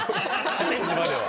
チャレンジまでは。